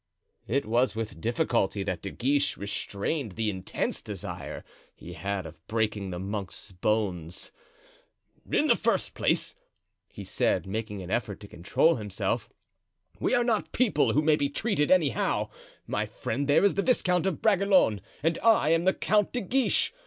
It was with difficulty that De Guiche restrained the intense desire he had of breaking the monk's bones. "In the first place," he said, making an effort to control himself, "we are not people who may be treated anyhow; my friend there is the Viscount of Bragelonne and I am the Count de Guiche.